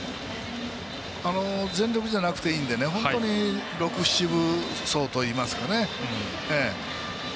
全力じゃなくていいので本当に６７分走といいますかね。